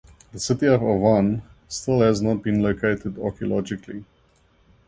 The city of Awan still has not been located archaeologically.